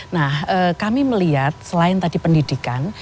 nah kami melihat selain tadi pendidikan